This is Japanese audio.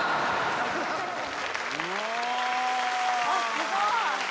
すごい。